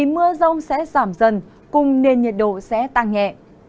mưa rông sẽ giảm dần cùng nền nhiệt độ sẽ tăng nhẹ